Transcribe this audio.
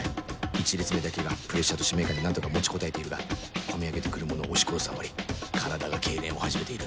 １列目だけがプレッシャーと使命感で何とか持ちこたえているが込み上げて来るものを押し殺すあまり体が痙攣を始めている